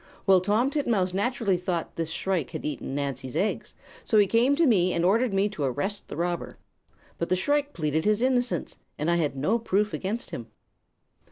Well, Tom Titmouse naturally thought the shrike had eaten Nancy's eggs, so he came to me and ordered me to arrest the robber. But the shrike pleaded his innocence, and I had no proof against him.